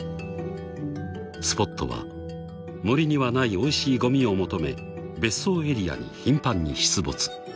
［スポットは森にはないおいしいごみを求め別荘エリアに頻繁に出没］